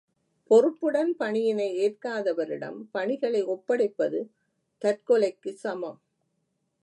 பொறுப்புடன் பணியினை ஏற்காதவரிடம் பணிகளை ஒப்படைப்பது தற்கொலைக்குச் சமம்.